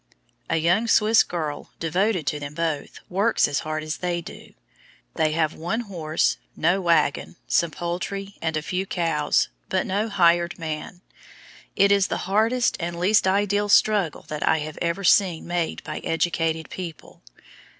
A young Swiss girl, devoted to them both, works as hard as they do. They have one horse, no wagon, some poultry, and a few cows, but no "hired man." It is the hardest and least ideal struggle that I have ever seen made by educated people.